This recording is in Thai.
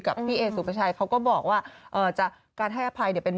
กับพี่เอสุประชายเขาก็บอกว่าการให้อภัยเป็น